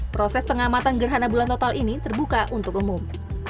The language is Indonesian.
proses pengamatan gerhana bulan total ini terbuka untuk umum